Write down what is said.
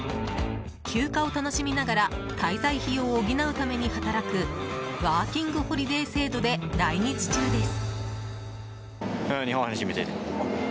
休暇を楽しみながら滞在費用を補うために働くワーキングホリデー制度で来日中です。